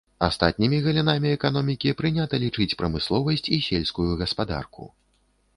Астатнімі галінамі эканомікі прынята лічыць прамысловасць і сельскую гаспадарку.